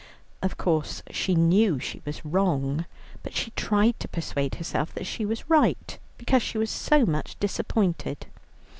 Of course she knew she was wrong, but she tried to persuade herself that she was right, because she was so much disappointed.